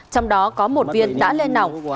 trong đó có một viên đã lên nỏng